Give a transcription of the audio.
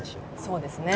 そうですね。